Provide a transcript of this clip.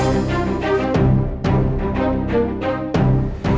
ibu sudah sadar